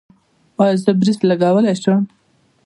ایا زه برېس لګولی شم؟